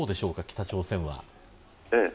北朝鮮は。